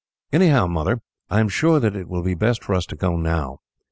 "Anyhow, Mother, I am sure that it will be best for us to go now.